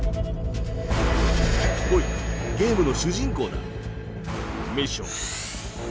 ほいゲームの主人公だ。